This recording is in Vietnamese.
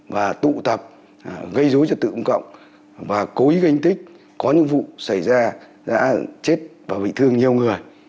vụ tập gây rối cho tự cung cộng và cố ý gây hình thích có những vụ xảy ra đã chết và bị thương nhiều người